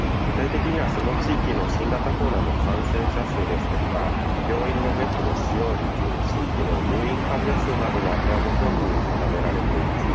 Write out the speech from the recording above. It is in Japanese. その地域の新型コロナの感染者数ですとか病院のベッドの使用率新規の入院患者数などの値をもとに定められています。